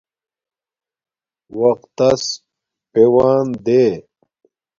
وقت تس پیوان دے